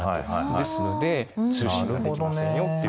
ですので通信ができませんよっていう。